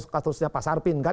katusnya pak sarpin kan